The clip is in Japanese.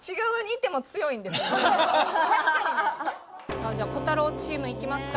さあじゃあコタローチームいきますか。